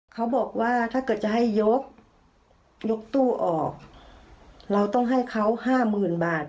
เขาบอกว่าถ้าเกิดจะให้ยกยกตู้ออกเราต้องให้เขาห้าหมื่นบาท